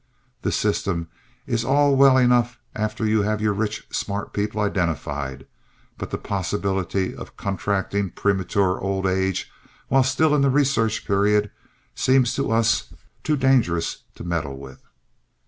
The system is all well enough after you have your rich, smart people identified, but the possibility of contracting premature old age while still in the research period seems to us too dangerous to meddle with.